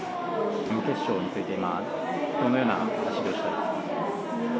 準決勝について今、どのような走りをしたいですか？